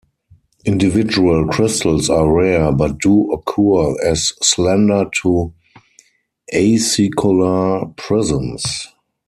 Individual crystals are rare but do occur as slender to acicular prisms.